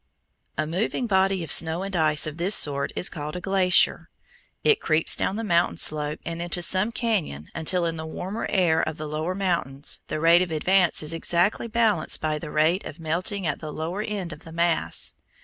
A moving body of snow and ice of this sort is called a "glacier." It creeps down the mountain slope and into some cañon, until, in the warmer air of the lower mountains, the rate of advance is exactly balanced by the rate of melting at the lower end of the mass.